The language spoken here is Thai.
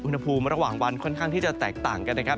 อุณหภูมิระหว่างวันค่อนข้างที่จะแตกต่างกันนะครับ